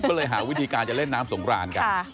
ก็เลยหาวิธีการจะเล่นน้ำสงครานกัน